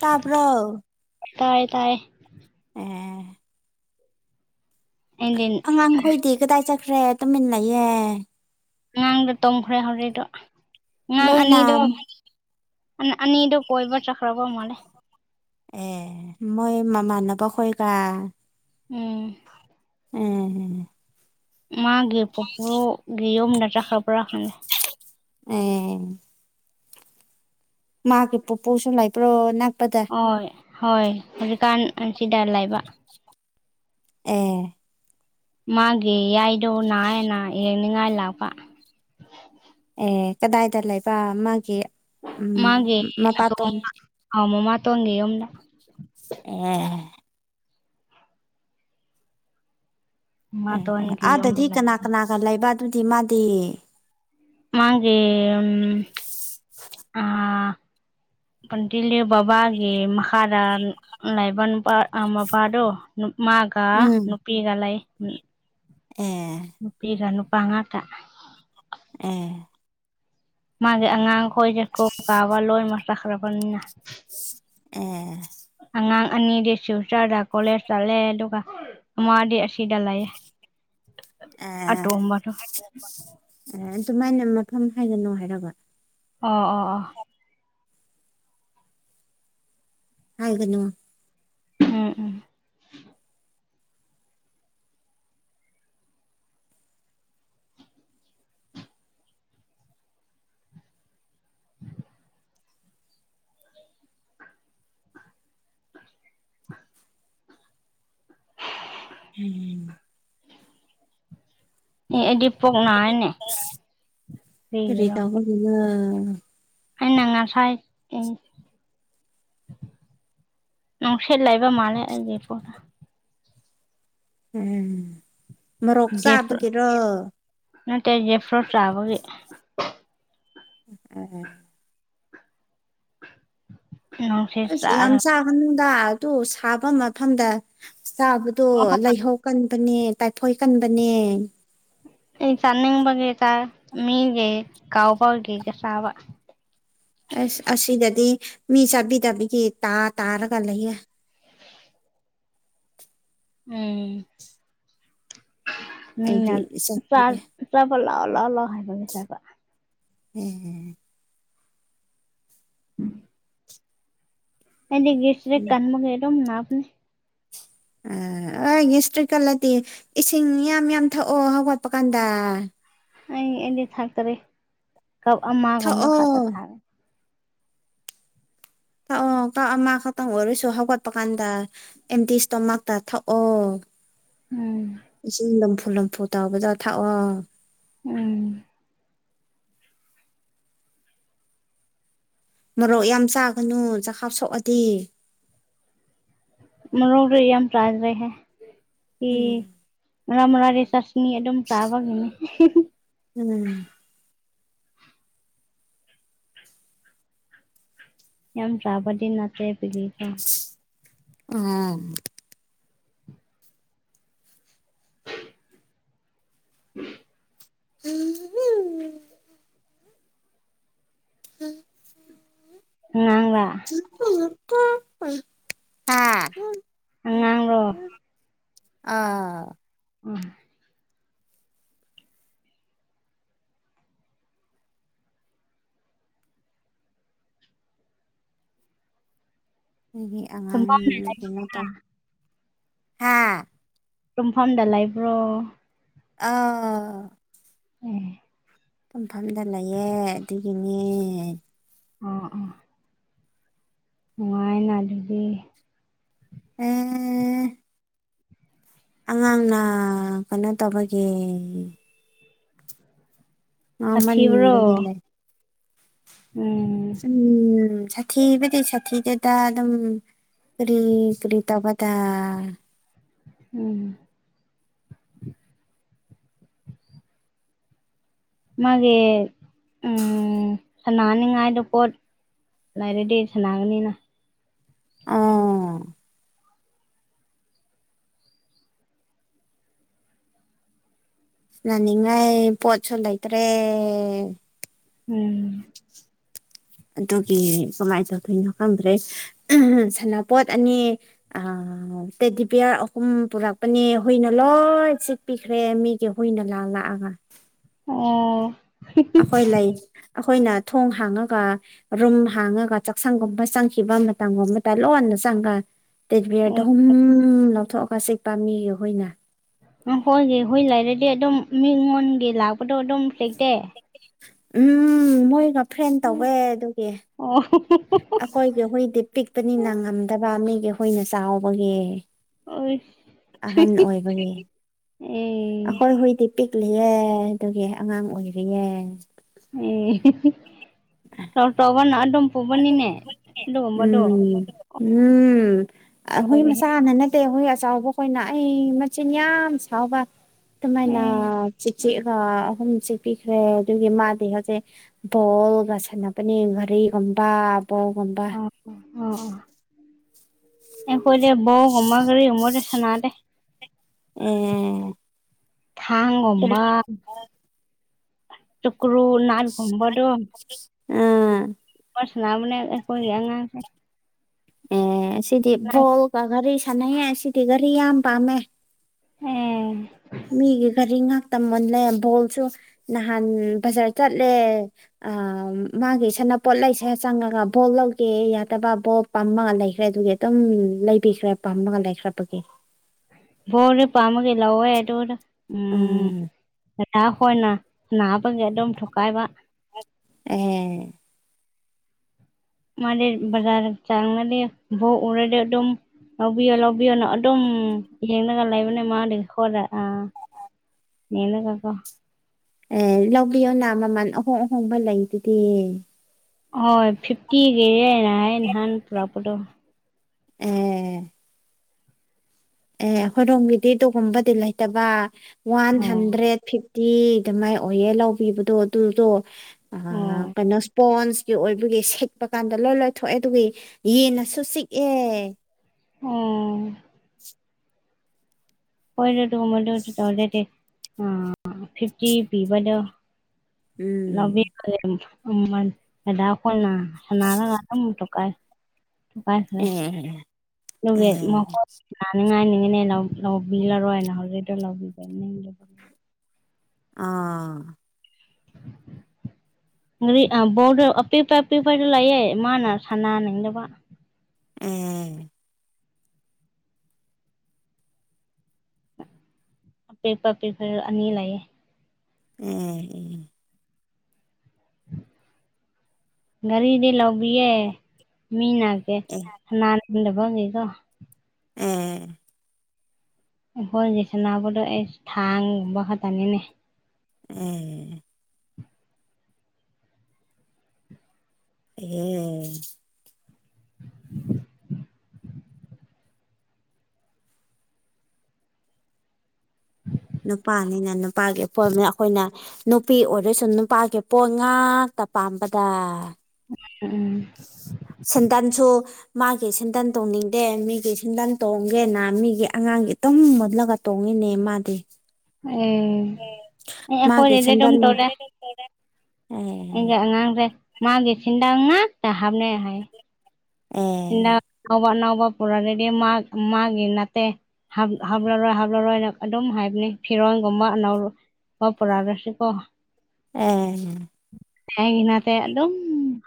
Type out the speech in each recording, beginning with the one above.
ꯇꯥꯕ꯭ꯔꯣ ꯇꯥꯏꯌꯦ ꯇꯥꯏꯌꯦ ꯎꯝ ꯑꯩꯗꯤ ꯑꯉꯥꯡꯈꯣꯏꯗꯤ ꯀꯗꯥꯏ ꯆꯠꯈ꯭ꯔꯦ ꯇꯨꯃꯤꯟ ꯂꯩꯌꯦ ꯑꯉꯥꯡꯗꯣ ꯇꯨꯝꯈ꯭ꯔꯦ ꯍꯧꯖꯤꯛꯇ ꯑꯉꯥꯡ ꯂꯣꯏꯅ ꯑꯅꯤꯗꯣ ꯑꯟ ꯑꯅꯤꯗꯣ ꯀꯣꯏꯕ ꯆꯠꯈ꯭ꯔꯕ ꯃꯥꯜꯂꯦ ꯑꯦ ꯃꯣꯏ ꯃꯃꯥꯟꯅꯕ ꯈꯣꯏꯒ ꯎꯝ ꯑꯦ ꯑꯦ ꯑꯦ ꯃꯥꯒꯤ ꯄꯨꯄꯨꯒꯤ ꯌꯨꯝꯗ ꯆꯠꯈ꯭ꯔꯕ꯭ꯔꯥ [unintelligible] ꯑꯦ ꯃꯥꯒꯤ ꯄꯨꯄꯨꯁꯨ ꯂꯩꯕꯔꯣ ꯑꯅꯛꯄꯗ ꯍꯣꯏ ꯍꯣꯏ ꯍꯧꯖꯤꯛꯀꯥꯟ ꯑꯁꯤꯗ ꯂꯩꯕ ꯑꯦ ꯃꯥꯒꯤ ꯌꯥꯏꯗꯣ ꯅꯥꯏꯑꯦ ꯅꯥꯏ ꯌꯦꯡꯅꯤꯡꯉꯥꯏ ꯂꯥꯛꯄ ꯑꯦ ꯀꯗꯥꯏꯗ ꯂꯩꯕ ꯃꯥꯒꯤ ꯎꯝ ꯃꯥꯒꯤ ꯃꯄꯥꯇꯣꯟ [unintelligible] ꯑ ꯃꯃꯥꯇꯣꯟꯒꯤ ꯌꯨꯝꯗ ꯑꯦ ꯑꯦ ꯑꯦ ꯃꯃꯥꯇꯣꯟꯒꯤ ꯌꯨꯝꯗ ꯑꯥꯗꯗꯤ ꯀꯅꯥ ꯂꯩꯕ ꯀꯅꯥꯒ ꯂꯩꯕ ꯑꯗꯨꯗꯤ ꯃꯥꯗꯤ ꯃꯥꯒꯤ ꯑꯝ ꯑꯥ ꯄꯟꯇꯤꯜꯂꯦ ꯕꯥꯕꯥꯒꯤ ꯃꯈꯥꯗꯟ ꯂꯩꯕ ꯅꯨꯄꯥ ꯑ ꯃꯄꯥꯗꯣ ꯅꯨ ꯃꯥ ꯑ ꯎꯝ ꯅꯨꯄꯤꯒ ꯂꯩ ꯎ ꯑꯦ ꯅꯨꯄꯤꯒ ꯅꯨꯄꯥ ꯉꯥꯛꯇ ꯑꯦ ꯃꯥꯒꯤ ꯑꯉꯥꯡ ꯈꯣꯏꯁꯦ ꯀꯣꯛ ꯀꯥꯕ ꯂꯣꯏꯃꯛ ꯆꯠꯈ꯭ꯔꯕꯅꯤꯅ ꯑꯦ ꯑꯉꯥꯡ ꯑꯅꯤꯗꯤ ꯁꯨꯏ ꯆꯠꯔ‌ ꯀꯣꯂꯦꯖ ꯆꯠꯂꯦ ꯑꯗꯨꯒ ꯑꯃꯥꯗꯤ ꯑꯁꯤꯗ ꯂꯩ ꯑꯦ ꯑꯇꯣꯝꯕꯗꯣ [unintelligible] ꯑꯦ ꯑꯗꯨꯃꯥꯏꯅ ꯃꯐꯝ ꯍꯥꯏꯒꯅꯨ ꯍꯥꯏꯔꯒ ꯑꯣ ꯑꯣ ꯑꯣ ꯂꯥꯡꯒꯅ‌ꯣ ꯎꯝ ꯎꯝ ꯎꯝ ꯑꯦ ꯑꯩꯗꯤ ꯄꯣꯛ ꯅꯥꯏꯅꯦ ꯀꯔꯤꯒꯤꯔꯣ ꯀꯔꯤꯇꯧꯕꯒꯤꯅꯣ ꯑꯩꯅ ꯉꯁꯥꯏ ꯑ ꯅꯨꯡꯁꯤꯠ ꯂꯩꯕ ꯃꯥꯂꯦ ꯑꯩꯒꯤ ꯄꯨꯛꯗ‌ ꯎꯝ ꯃꯣꯔꯣꯛ ꯖꯦꯐ꯭ꯔꯨꯠ ꯆꯥꯕꯒꯤꯔꯣ ꯅꯠꯇꯦ ꯌ‌ꯦꯐ꯭ꯔꯣꯠ ꯆꯥꯕꯒꯤ [unintelligible] ꯅꯨꯡꯁꯤꯠ ꯑꯁ ꯌꯥꯝ ꯆꯥꯔꯒ ꯆꯥꯒꯅꯨꯗꯥ ꯑꯗꯨ ꯁꯥꯕ ꯃꯐꯝꯗ ꯆꯥꯕꯗꯣ ꯂꯩꯍꯧ ꯀꯟꯕꯅꯦ ꯇꯥꯏꯐꯣꯏ ꯀꯟꯕꯅꯦ ꯑꯩ ꯆꯥꯟꯅꯤꯡꯕꯒꯤ [unintelligible] ꯃꯤꯒꯩ ꯀꯥꯎꯕꯒꯤꯒ ꯆꯥꯕ ꯑꯁ ꯑꯁꯤꯗꯗꯤ ꯃꯤ ꯆꯥꯕꯤꯗꯕꯤꯒꯤ ꯇꯥ ꯇꯥꯔꯒ ꯂꯩꯌꯦ ꯎꯝ ꯑꯩꯗꯤ ꯃꯤꯅ ꯆꯥ ꯆꯠꯄꯤꯗꯦ ꯆꯥꯕ ꯂꯥꯑꯣ ꯂꯥꯑꯣ ꯂꯥꯎ ꯍꯥꯏꯕꯒꯤ ꯆꯥꯕ ꯎꯝ ꯑꯩꯗꯤ ꯒꯤꯁꯇ꯭ꯔꯤꯛ ꯀꯟꯕꯒꯤ ꯑꯗꯨꯝ ꯅꯥꯕꯟ ꯑꯥ ꯑꯣꯢ ꯒꯦꯁꯇ꯭ꯔꯤꯛ ꯀꯜꯂꯗꯤ ꯏꯁꯤꯡ ꯌꯥꯝ ꯌꯥꯝ ꯊꯛꯑꯣ ꯍꯧꯒꯠꯄ ꯀꯥꯟꯗ ꯑꯩ ꯑꯩꯗꯤ ꯊꯥꯛꯇꯔꯤ ꯀꯞ ꯑꯃꯥꯒꯨꯝꯕ ꯈꯛꯇ ꯊꯛꯑꯣ ꯊꯛꯑ ꯊꯛꯑꯣ ꯀꯞ ꯑꯃꯥ ꯈꯛꯇꯪ ꯑꯣꯏꯔꯁꯨ ꯍꯧꯒꯠꯄ ꯀꯥꯟꯗ ꯑꯦꯝꯇꯤ ꯏꯁꯇꯣꯃꯥꯛꯇ ꯊꯛꯑꯣ ꯎꯝ ꯏꯁꯤꯡ ꯂꯨꯝꯐꯨ ꯂꯨꯝꯐꯨ ꯇꯧꯕꯗꯣ ꯊꯥꯛꯑꯣ ꯎꯝ ꯃꯣꯔꯣꯛ ꯌꯥꯝ ꯆꯥꯒꯅꯨ ꯆꯈꯥꯎ ꯁꯣꯛꯑꯗꯤ ꯃꯣꯔꯣꯛꯇꯤ ꯌꯥꯝ ꯆꯥꯗ꯭ꯔꯦꯍꯦ ꯏ ꯎꯝ ꯃꯔꯛ ꯃꯔꯛꯇꯤ ꯆꯥꯁ ꯃꯤ ꯑꯗꯨꯝ ꯆꯥꯕꯒꯤꯅꯤ ꯎꯝ ꯌꯥꯝ ꯆꯥꯕꯗꯤ ꯅꯠꯇ꯭ꯔꯦ ꯑꯗꯨꯗꯤꯀꯣ ꯑꯣ [inaudible] [unintelligible] ꯎꯝ ꯑꯉꯥꯡꯔꯥ [unintelligible] ꯍꯥ ꯑꯉꯥꯡꯔꯣ ꯑꯥ ꯎꯝ ꯅꯣꯏꯒꯤ ꯇꯨꯝꯐꯝꯗ ꯑꯉꯥꯡꯅꯤ ꯀꯩꯅꯣ ꯂꯩꯕ꯭ꯔꯥ ꯇꯧ ꯍꯥ ꯇꯨꯡꯐꯝꯗ ꯂꯩꯥꯕ꯭ꯔꯣ ꯑꯧ ꯎꯝ ꯇꯨꯝꯐꯝꯗ ꯂꯩꯌꯦ ꯑꯗꯨꯒꯤꯅꯦ ꯑꯣ ꯑꯣ ꯅꯨꯡꯉꯥꯏꯅꯥ ꯑꯗꯨꯗꯤ ꯎꯝ ꯑꯉꯥꯡꯅ ꯀꯩꯅꯣ ꯇꯧꯕꯒꯤ ꯁꯥꯊꯤꯕ꯭ꯔꯣ ꯉꯥꯎꯃꯟꯕꯒꯤ ꯂꯩ ꯎꯝ ꯎꯝ ꯁꯥꯊꯤꯕꯗꯤ ꯁꯥꯊꯤꯗꯦꯗꯥ ꯑꯗꯨꯝ ꯀꯔꯤ ꯀꯔꯤ ꯇꯧꯕꯗ ꯎꯝ ꯃꯥꯒꯤ ꯎꯝ ꯁꯥꯅꯅꯤꯉꯥꯏꯗꯣ ꯄꯣꯠ ꯂꯩꯔꯗꯤ ꯁꯅꯥꯒꯅꯤꯅ ꯑꯣ ꯁꯥꯟꯅꯅꯤꯉꯥꯏ ꯄꯣꯠꯁꯨ ꯂꯩꯇ꯭ꯔꯦ ꯎꯝ ꯑꯗꯨꯒꯤ ꯀꯃꯥꯏꯟ ꯇꯧꯗꯣꯏꯅꯣ ꯈꯪꯗ꯭ꯔꯦ ꯎꯝꯍꯨꯝ ꯁꯥꯟꯅꯄꯣꯠ ꯑꯅꯤ ꯑꯥ ꯑꯣ ꯇꯦꯗꯤ ꯕꯤꯌꯥꯔ ꯑꯍꯨꯝ ꯄꯨꯔꯛꯄꯅꯦ ꯍꯨꯏꯅ ꯂꯣꯏ ꯆꯤꯛꯄꯤꯈ꯭ꯔꯦ ꯃꯤꯒꯤ ꯍꯨꯏꯅ ꯂꯥꯛ ꯂꯥꯛꯑꯒ ꯑꯣ ꯑꯈꯣꯏ ꯂꯩ ꯑꯈꯣꯏꯅ ꯊꯣꯡ ꯍꯥꯡꯉꯒ ꯔꯨꯝ ꯍꯥꯡꯉꯒ ꯆꯥꯛꯁꯪꯒꯨꯝꯕ ꯆꯪꯈꯤꯕ ꯃꯇꯝꯒꯨꯝꯕꯗ ꯂꯣꯟꯅ ꯆꯪꯉ ꯇꯦꯛꯕꯤꯌꯔꯗ ꯑꯣ ꯍꯨꯝ ꯂꯧꯊꯣꯛꯑꯒ ꯆꯤꯛꯄ ꯃꯤꯒꯤ ꯍꯨꯏꯅ ꯃꯍꯣꯏꯒꯤ ꯍꯨꯏ ꯂꯩꯔꯗꯤ ꯑꯗꯨꯝ ꯃꯤꯉꯣꯟꯒꯤ ꯂꯥꯛꯄꯗꯣ ꯑꯗꯨꯝ ꯆꯤꯛꯇꯦ ꯎꯝ ꯃꯣꯏꯒ ꯐ꯭ꯔꯦꯟ ꯇꯧꯋꯦ ꯑꯗꯨꯒꯤ ꯑꯣ ꯈꯣꯏꯒꯤ ꯍꯨꯏꯗꯤ ꯄꯤꯛꯄꯅꯤꯅ ꯉꯝꯗꯕ ꯃꯤꯒꯤ ꯍꯨꯏꯅ ꯆꯥꯎꯕꯒꯤ ꯑꯣꯏꯁ ꯑꯍꯟ ꯑꯣꯏꯕꯒꯤ ꯑꯈꯣꯏ ꯑꯦ ꯍꯨꯏꯗꯤ ꯄꯤꯛꯂꯤꯑꯦ ꯑꯗꯨꯒꯤ ꯑꯉꯥꯡ ꯑꯣꯏꯔꯤꯌꯦ ꯑꯦ ꯍꯦꯍꯦ ꯆꯥꯎ ꯆꯥꯎꯕꯅ ꯑꯗꯨꯝ ꯄꯨꯕꯅꯤꯅꯦ ꯑꯗꯨꯒꯨꯝꯕꯗꯣ ꯎꯝ ꯎꯝ ꯑ ꯍꯨꯏ ꯂꯣꯏꯔꯦꯍꯦ ꯃꯆꯥꯅ ꯅꯠ ꯇꯦ ꯍꯨꯏ ꯑꯆꯧꯕꯈꯣꯏꯅ ꯑꯩ ꯃꯆꯤꯟ ꯌꯥꯝ ꯁꯥꯎꯕ ꯑꯗꯨꯃꯥꯏꯅ ꯑꯦ ꯆꯤꯛ ꯆꯤꯛꯑꯒ ꯑꯍꯨꯝ ꯆꯤꯛꯄꯤꯈ꯭ꯔꯦ ꯑꯗꯨꯒꯤ ꯃꯥꯗꯤ ꯍꯧꯖꯤꯛ ꯕꯣꯜꯒ ꯁꯥꯅꯕꯅꯦ ꯉꯥꯔꯤꯒꯥ ꯒꯨꯝꯕ ꯕꯣꯜꯒꯨꯝꯕ ꯑ ꯑ ꯑꯦꯈꯣꯏꯗꯤ ꯕꯣꯜꯒꯨꯝꯕ ꯒꯥꯔꯤꯒꯨꯝꯕꯗꯤ ꯁꯥꯅꯗꯦ ꯥꯎꯝ ꯊꯥꯡꯒꯨꯝꯕ ꯆꯨꯛꯀ꯭ꯔꯨ ꯅꯥꯏꯟ ꯐꯪꯕꯗꯣ ꯎꯝ ꯁꯥꯟꯅꯕꯅꯦ ꯑꯩꯈꯣꯢꯒꯤ ꯑꯉꯥꯡꯁꯦ ꯑꯦ ꯁꯤꯗꯤ ꯕꯣꯜꯒ ꯒꯥꯔꯤ ꯁꯥꯟꯅꯩꯌꯦ ꯁꯤꯗꯤ ꯒꯥꯔꯤ ꯌꯥꯝ ꯄꯥꯝꯃꯦ ꯑꯦ ꯃꯤꯒꯤ ꯒꯥꯔꯤ ꯉꯥꯛꯇ ꯃꯨꯜꯂꯦ ꯕꯣꯜꯁꯨ ꯅꯍꯥꯟ ꯕꯖꯥꯔ ꯆꯠꯂꯦ ꯑꯥ ꯃꯥꯒꯤ ꯁꯥꯅꯄꯣꯠ ꯂꯩꯁꯦ ꯆꯪꯉꯒ ꯕꯣꯜ ꯂꯧꯒꯦ ꯌꯥꯗꯕ ꯕꯣꯜ ꯄꯝꯃꯒ ꯂꯩꯈ꯭ꯔꯦ ꯑꯗꯨꯒꯤ ꯑꯗꯨꯝ ꯂꯩꯕꯤꯈ꯭ꯔꯦ ꯄꯝꯃꯒ ꯂꯩꯈ꯭ꯔꯕꯒꯤ ꯕꯣꯜꯗꯤ ꯄꯥꯝꯃꯒꯤ ꯂꯧꯋꯦ ꯑꯗꯨꯗ ꯎꯝ ꯗꯥꯗꯥ ꯍꯣꯢꯅ ꯅꯥꯕꯒꯤ ꯑꯗꯨꯝ ꯊꯨꯀꯥꯢꯕ ꯑꯍꯦ ꯃꯥꯗꯤ ꯕꯖꯥꯔꯗ ꯆꯥꯡꯉꯗꯤ ꯕꯣꯜ ꯎꯔꯗꯤ ꯑꯗꯨꯝ ꯂꯧꯕꯤꯌꯣ ꯂꯧꯕꯤꯌꯣꯅ ꯑꯗꯨꯝ ꯌꯦꯡꯉꯒ ꯂꯩꯕꯅꯦ ꯃꯥꯗꯤ ꯍꯣꯂ ꯑꯥ ꯃꯦꯜꯂꯒ ꯀꯣ ꯑꯦ ꯂꯧꯕꯤꯌꯣꯅ ꯃꯃꯜ ꯑꯍꯣꯡ ꯑꯍꯣꯡꯕ ꯂꯩꯗꯨꯗꯤ ꯍꯣꯏ ꯐꯤꯐꯇꯤꯒꯤꯅꯦ ꯍꯥꯏ ꯑꯩ ꯅꯍꯥꯟ ꯄꯨꯔꯛꯄꯗꯣ ꯑꯦ ꯑꯦ ꯑꯈꯣꯢꯔꯣꯝꯒꯤꯗꯤ ꯑꯗꯨꯒꯨꯝꯕꯗꯤ ꯂꯩꯇꯕ ꯋꯥꯟ ꯑꯣ ꯍꯟꯗ꯭ꯔꯦꯠ ꯐꯤꯐꯇꯤ ꯐꯤꯐꯇꯤ ꯑꯗꯨꯃꯥꯏ ꯑꯣꯏꯌꯦ ꯂꯧꯕꯤꯕꯗꯣ ꯑꯗꯨꯗꯣ ꯑꯥ ꯑꯣ ꯀꯩꯅꯣ ꯁ꯭ꯄꯣꯟꯁ ꯀꯤ ꯑꯣꯏꯕꯒꯤ ꯁꯦꯠꯄ ꯀꯥꯟꯗ ꯂꯣꯢ ꯂꯣꯢ ꯊꯣꯛꯑꯦ ꯑꯗꯨꯒꯤ ꯌꯦꯟꯅꯁꯨ ꯆꯤꯛꯑꯦ ꯑꯝ ꯍꯣꯢꯗ ꯑꯗꯨꯒꯨꯝꯕꯗꯨꯗ ꯇꯧꯗꯗꯤ ꯑꯥ ꯐꯤꯐꯇꯤ ꯄꯤꯕꯗꯣ ꯎꯝ ꯂꯧꯕꯤꯕꯅꯦ ꯃꯃꯜ ꯗꯥꯗꯥ ꯈꯣꯢꯅ ꯁꯥꯟꯅꯔꯒ ꯑꯗꯨꯝ ꯊꯨꯀꯥꯏ ꯊꯨꯀꯥꯏꯈ꯭ꯔꯦ ꯑꯦ ꯑꯗꯨꯒꯤ ꯑꯦ ꯃꯈꯣꯢ ꯂꯥꯅꯤꯡꯉꯥꯢꯅꯤꯅꯦ ꯂꯧꯕꯤ ꯂꯧꯕꯤꯔꯔꯣꯢꯅ ꯑꯥ [inaudible] ꯉꯔꯤ ꯑꯥ ꯕꯣꯜꯗꯣ ꯑꯄꯤꯛꯄ ꯑꯄꯤꯛꯄꯁꯨ ꯂꯩꯌꯦ ꯃꯥꯅ ꯁꯥꯟꯅꯅꯤꯡꯗꯕ ꯎꯝ ꯄꯦꯄꯔ ꯄꯦꯄꯔ ꯑꯅꯤ ꯂꯩꯌꯦ ꯎꯝ ꯒꯥꯔꯤꯗꯤ ꯂꯧꯕꯤꯌꯦ ꯃꯤꯅ ꯀꯩ ꯑꯦ [inaudible] [inaudible] ꯎꯝ ꯑꯈꯣꯏꯅꯤ ꯁꯥꯟꯅꯕꯗꯣ ꯑꯩꯁꯨ ꯊꯥꯡꯕ ꯈꯛꯇꯅꯤꯅꯦ ꯎꯝ [inaudible] ꯎꯝ [inaudible] [inaudible] ꯅꯨꯄꯥꯅꯤꯅ ꯅꯨꯄꯥꯒꯤ ꯑꯄꯣꯏꯃꯦ ꯑꯩꯈꯣꯏꯅ ꯅꯨꯄꯤ ꯑꯣꯏꯔꯁꯨ ꯅꯨꯄꯥꯒꯤ ꯄꯣꯠ ꯉꯥꯛꯇ ꯄꯥꯝꯕꯗ ꯎꯝ ꯁꯦꯟꯗꯟꯁꯨ ꯃꯥꯒꯤ ꯁꯦꯟꯗꯟ ꯇꯣꯡꯅꯤꯡꯗꯦ ꯃꯤꯒꯤ ꯁꯦꯟꯗꯟ ꯇꯣꯡꯒꯦꯅ ꯃꯤꯒꯤ ꯑꯉꯥꯡꯒꯤ ꯇꯨꯝ ꯃꯨꯜꯂꯒ ꯇꯣꯡꯉꯤꯅꯦ ꯃꯥꯗꯤ ꯑꯦ ꯑꯦ ꯃꯥꯒꯤ ꯑꯈꯣꯏꯒꯤꯗꯤ ꯑꯗꯨꯝ ꯁꯦꯟꯗꯟ ꯇꯧꯗꯦ [unintelligible] ꯑꯦ ꯑꯩꯒꯤ ꯑꯉꯥꯡꯁꯦ ꯃꯥꯒꯤ ꯁꯤꯟꯗꯟ ꯉꯥꯛꯇ ꯍꯞꯅꯦ ꯍꯥꯏꯌꯦ ꯑꯦ ꯑꯅꯥꯎꯕ ꯑꯅꯥꯎꯕ ꯄꯨꯔꯥꯔꯗꯤ ꯃꯥ ꯃꯥꯒꯤ ꯅꯠꯇꯦ ꯍꯥꯞ ꯍꯥꯞꯂꯔꯣꯏ ꯍꯥꯞꯂꯔꯣꯏꯅ ꯑꯗꯨꯝ ꯍꯥꯏꯕꯅꯦ ꯐꯤꯔꯣꯟꯒꯨꯝꯕ ꯑꯅꯧ ꯃꯥ ꯄꯨꯔꯥꯔꯁꯨ ꯀꯣ ꯑꯦ ꯑꯩꯅꯗꯤ ꯑꯗꯨꯝ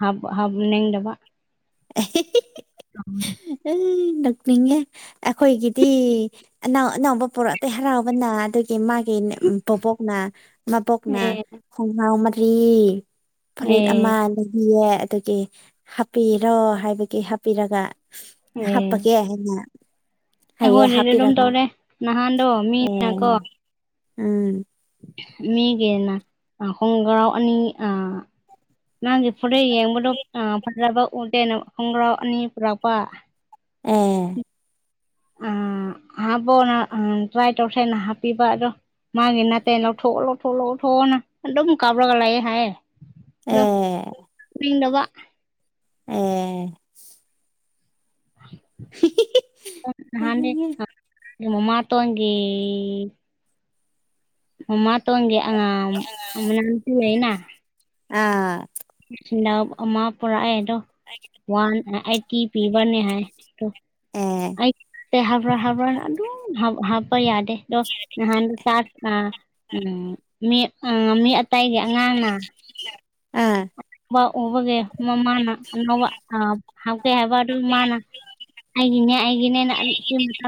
ꯍꯥꯞ ꯍꯥꯞꯅꯤꯡꯗꯕ [unintelligible] ꯅꯣꯛꯅꯤꯡꯉꯦ ꯑꯩꯈꯣꯏꯒꯤꯗꯤ ꯑꯅꯥꯎ ꯑꯅꯥꯎꯕ ꯄꯨꯔꯛꯇꯦ ꯍꯔꯥꯎꯕꯅ ꯑꯗꯨꯒꯤ ꯃꯥ ꯎꯝ ꯄꯣꯄꯣꯛꯅ ꯃꯕꯣꯛꯅ ꯑꯦ ꯈꯨꯡꯉꯥꯎ ꯃꯔꯤ ꯐꯨꯔꯤꯠ ꯑꯦ ꯑꯃꯥ ꯂꯩꯕꯤꯌꯦ ꯑꯗꯒꯤ ꯍꯥꯞꯄꯤꯔꯣ ꯍꯥꯏꯕꯒꯤ ꯍꯥꯞꯄꯤꯔꯒ ꯍꯥꯞꯄꯒꯦ ꯍꯩꯅ ꯑꯩꯉꯣꯟꯗꯗꯤ ꯑꯗꯨꯝ ꯇꯧꯔꯦ ꯅꯍꯥꯟꯗꯣ ꯑꯦ ꯃꯤꯅꯀꯣ ꯎꯝ ꯃꯤꯒꯤꯅ ꯈꯣꯡꯒ꯭ꯔꯥꯎ ꯑꯅꯤ ꯑꯥ ꯅꯪꯒꯤ ꯐꯨꯔꯤꯠ ꯌꯦꯡꯕꯗꯣ ꯑꯥ ꯐꯖꯕ ꯎꯗꯦꯅ ꯈꯣꯡꯒ꯭ꯔꯥꯎ ꯑꯅꯤ ꯄꯨꯔꯛꯄ ꯑꯣ ꯎꯝ ꯍꯥꯕꯣꯅ ꯎꯝ ꯇ꯭ꯔꯥꯏ ꯇꯧꯁꯦꯅ ꯍꯥꯞꯄꯤꯕ ꯑꯗꯣ ꯃꯥꯒꯤ ꯅꯠꯇꯦ ꯂꯧꯊꯣꯑꯣ ꯂꯧꯊꯣꯑꯣ ꯂꯧꯊꯣꯑꯣꯅ ꯑꯗꯨꯝ ꯀꯞꯔꯒ ꯂꯩꯥꯑꯦ ꯍꯥꯏꯌꯦ [unintelligible] ꯑꯦ ꯅꯍꯥꯟꯗꯤ ꯃꯃꯥꯇꯣꯟꯒꯤ ꯃꯃꯥꯇꯣꯟꯒꯤ [unintelligible] ꯑꯥ ꯅꯞ ꯑꯃꯥ ꯄꯨꯔꯛꯑꯦ ꯑꯗꯣ ꯋꯥꯟ ꯑꯩꯠꯇꯤ ꯄꯤꯕꯅꯦ ꯍꯥꯏꯌꯦ ꯑꯗꯣ ꯑꯩꯇꯦ ꯍꯥꯞꯔꯣꯏ ꯍꯥꯞꯔꯣꯏꯅ ꯑꯗꯨꯝ ꯍꯥꯞ ꯍꯥꯞꯄ ꯌꯥꯗꯦ ꯗꯣ ꯅꯍꯥꯟ ꯆꯥꯛꯅ ꯎꯝ ꯃꯤ ꯎꯝ ꯃꯤ ꯑꯇꯩꯒꯤ ꯑꯉꯥꯡꯅ ꯃꯥ ꯎꯕꯒꯤ ꯃꯃꯥꯅ ꯑꯅꯩꯕ ꯑꯥ ꯍꯥꯞꯀꯦ ꯍꯥꯏꯕ ꯑꯗꯨ ꯃꯥꯅ ꯑꯩꯒꯤꯅꯦ ꯑꯩꯒꯤꯅꯦꯅ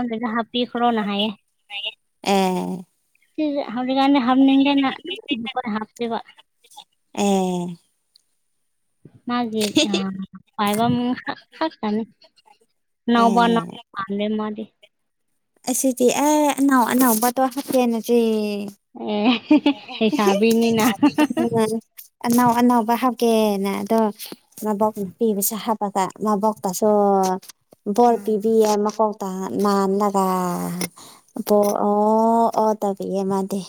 [unintelligible] ꯍꯥꯞꯄꯤꯈ꯭ꯔꯣꯅ ꯍꯥꯏꯌꯦ ꯑꯦ ꯁꯤꯖꯦ ꯍꯧꯖꯤꯛꯀꯥꯟꯗꯤ ꯍꯥꯞꯅꯤꯡꯗꯅ ꯂꯣꯏ ꯍꯥꯞꯄꯦꯕ ꯑꯦ ꯃꯥꯒꯤ ꯑ ꯄꯥꯏꯕꯝ ꯈꯛ ꯈꯛꯇꯅꯤ ꯅꯧꯕ ꯅꯧ ꯄꯥꯝꯗꯦ ꯃꯥꯗꯤ ꯑꯁꯤꯗꯤ ꯑꯦ ꯑꯅꯧ ꯑꯅꯧꯕꯗꯣ ꯍꯥꯞꯀꯦꯅꯆꯤ ꯑꯦ ꯍꯦ ꯍꯦ ꯂꯩꯁꯥꯕꯤꯅꯤꯅ ꯍ ꯍ ꯑꯅꯧ ꯑꯅꯧꯕ ꯍꯥꯞꯀꯦꯅ ꯑꯗꯣ ꯃꯕꯣꯛ ꯅꯨꯄꯤꯕꯨꯁꯨ ꯍꯥꯞ ꯄꯒ ꯃꯕꯣꯛꯇꯁꯨ ꯕꯣꯔ ꯎꯝ ꯄꯤ ꯄꯤꯌꯦ ꯃꯀꯣꯛꯇ ꯅꯥꯜꯂꯒ ꯑꯗꯣ ꯑꯣ ꯑꯣ ꯇꯧꯕꯤꯌꯦ ꯃꯥꯗꯤ